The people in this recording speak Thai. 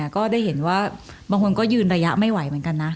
ก็ได้เห็นว่าบางคนก็ยืนระยะไม่ไหวเหมือนกันนะ